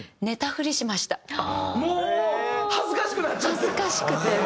恥ずかしくて。